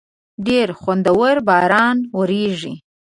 ډېر خوندور باران وریږی